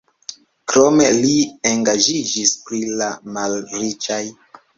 Krome li engaĝiĝis pri la malriĝaj.